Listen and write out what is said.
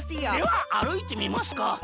ではあるいてみますか。